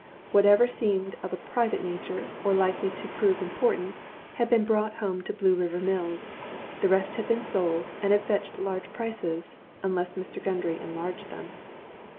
Whatever seemed of a private nature, or likely to prove important, had been brought home to Blue River Mills; the rest had been sold, and had fetched large prices, unless Mr. Gundry enlarged them.